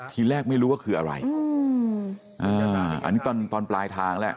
ทีแรกไม่รู้ว่าคืออะไรอืมอ่าอันนี้ตอนตอนปลายทางแล้ว